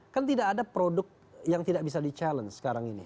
kan tidak ada produk yang tidak bisa di challenge sekarang ini